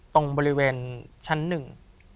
ตรงบริเวณชั้นหนึ่ง